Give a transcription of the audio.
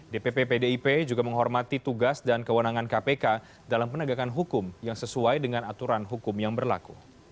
dpp pdip juga menghormati tugas dan kewenangan kpk dalam penegakan hukum yang sesuai dengan aturan hukum yang berlaku